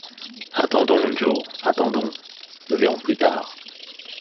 Attendons, Joe, attendons ; nous verrons plus tard.